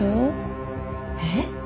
えっ！？